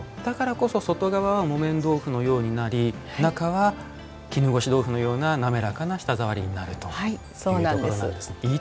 だからこそ外側は木綿豆腐のようになり中は絹ごし豆腐のような滑らかな舌ざわりになるというところなんですね。